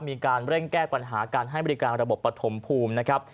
มีการเร่งแก้ปัญหาการให้บริการระบบปฐมภูมินะครับ